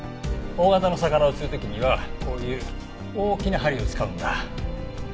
大型の魚を釣る時にはこういう大きな針を使うんだ。